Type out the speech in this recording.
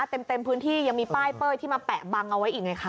เต็มพื้นที่ยังมีป้ายเป้ยที่มาแปะบังเอาไว้อีกไงคะ